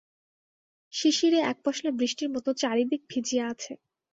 শিশিরে একপশলা বৃষ্টির মতো চারিদিক ভিজিয়া আছে।